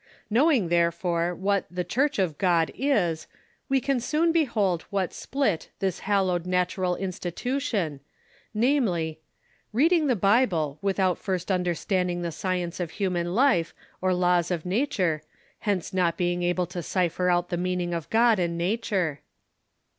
Knowing, therefore, what " The Church of God " is, we can soon beliold what split this hallowed natural institu tion, namely : "Reading the Bible, without first understanding the science of human life, or laws of nature, hence not being able to cypher out the meaning of God and nature."